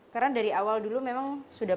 karena dari awal dulu memang sudah